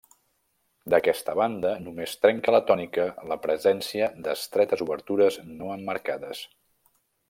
D'aquesta banda, només trenca la tònica la presència d'estretes obertures no emmarcades.